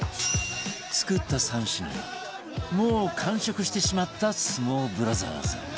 作った３品をもう完食してしまった相撲ブラザーズ